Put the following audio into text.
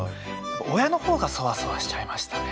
親のほうがそわそわしちゃいましたね。